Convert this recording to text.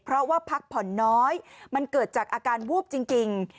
เพราะว่าพักผ่อนน้อยมันเกิดจากอาการวูบจริง